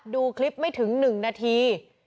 ดูคลิปไม่ถึงหนึ่งนาที